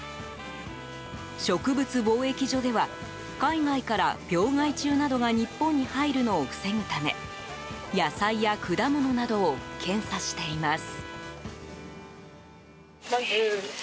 植物防疫所では海外から病害虫などが日本に入るのを防ぐため野菜や果物などを検査しています。